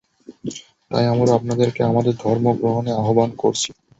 তাই আমরা আপনাদেরকে আমাদের ধর্ম গ্রহণে আহবান করছি।